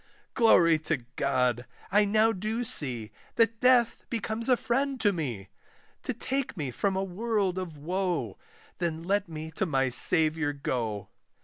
Glory to God! I now do see, That death becomes a friend to me, To take me from a world of woe; Then let me to my Saviour go!